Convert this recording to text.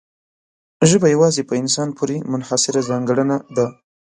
ژبه یوازې په انسان پورې منحصره ځانګړنه ده.